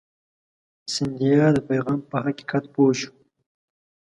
سیندهیا د پیغام په حقیقت پوه شو.